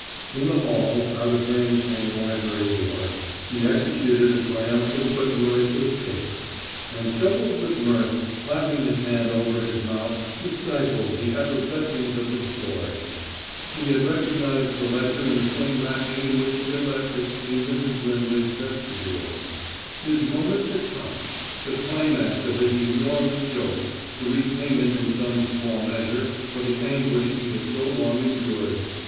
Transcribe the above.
In the hall, out of range from the library door, he executed a triumphant but noiseless caper, and doubled with mirth, clapping his hand over his mouth to stifle the effervescings of his joy. He had recognized the ledger in the same wrapping in which he had left it in Mrs. Lindley's vestibule. His moment had come: the climax of his enormous joke, the repayment in some small measure for the anguish he had so long endured.